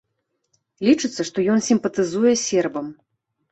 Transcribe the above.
Лічыцца, што ён сімпатызуе сербам.